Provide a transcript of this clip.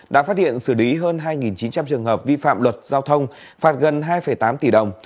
đã phát hiện xử lý hơn hai chín trăm linh trường hợp vi phạm luật giao thông phạt gần hai tám tỷ đồng